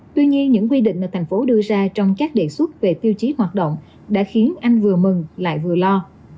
tuy nhiên những quy định mà thành phố đưa ra trong các đề xuất về tiêu chí hoạt động đã khiến anh vừa mừng lại vừa lo